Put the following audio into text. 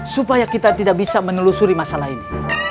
supaya kita tidak bisa menelusuri masalah ini